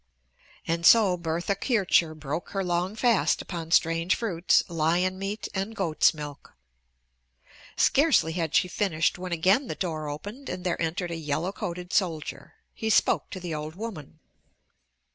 And so Bertha Kircher broke her long fast upon strange fruits, lion meat, and goat's milk. Scarcely had she finished when again the door opened and there entered a yellow coated soldier. He spoke to the old woman.